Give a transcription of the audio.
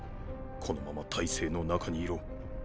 このまま体制の中にいろ。